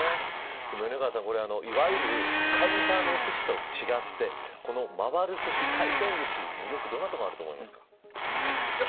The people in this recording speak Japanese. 米川さん、いわゆるカウンターのすしと違って回るすし、回転ずし魅力、どんなところにあると思いますか。